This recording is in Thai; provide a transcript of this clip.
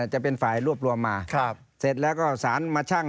หนักเบาของข้อหานั้น